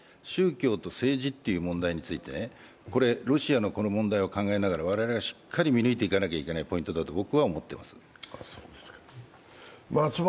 宗教と政治という問題についてロシアのこの問題を考えながら我々はしっかり見抜いていかなきゃいけないポイントだと僕は思っています。